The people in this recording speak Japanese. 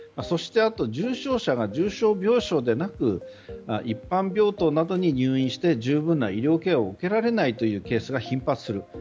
そして、あと重症者が重症病床でなく一般病棟などに入院して十分な医療ケアを受けられないというケースが頻発する。